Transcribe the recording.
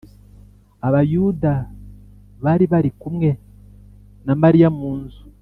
Abayuda bari bari kumwe na Mariya mu nzu